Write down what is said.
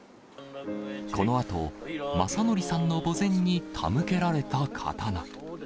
このあと、正徳さんの墓前に手向けられた刀。